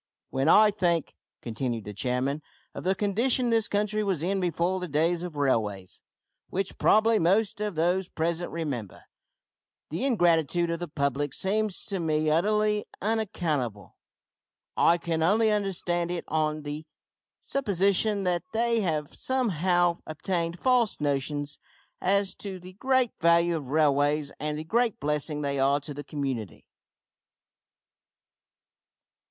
"When I think," continued the chairman, "of the condition this country was in before the days of railways which probably most of those present remember the ingratitude of the public seems to me utterly unaccountable. I can only understand it on the supposition that they have somehow obtained false notions as to the great value of railways and the great blessing they are to the community.